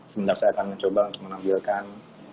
semenjak saya akan mencoba untuk menampilkan